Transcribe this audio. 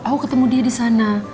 aku ketemu dia disana